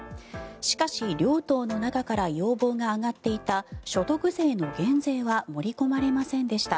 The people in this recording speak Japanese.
しかし、両党の中から要望が上がっていた所得税の減税は盛り込まれませんでした。